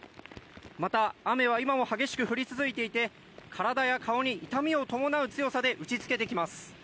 また雨は今も激しく降り続いていて体や顔に痛みを伴う強さで打ちつけてきます。